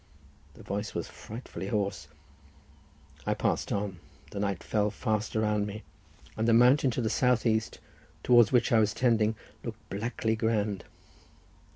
The voice was frightfully hoarse. I passed on; night fell fast around me, and the mountain to the south east, towards which I was tending, looked blackly grand.